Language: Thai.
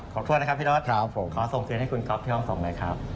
ขอโทษนะครับพี่รถขอส่งเสียงให้คุณครอบที่ห้องส่งหน่อยครับ